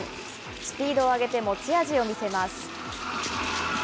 スピードを上げて、持ち味を見せます。